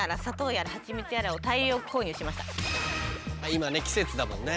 今ね季節だもんね。